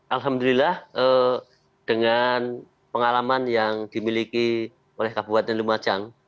alhamdulillah dengan pengalaman yang dimiliki oleh kabupaten lumajang